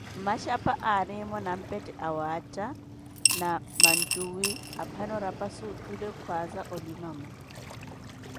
Mmaxapa aarimo nanpette awaatta ni maatuwi, aphano rapazi otule kwhaza olimamo.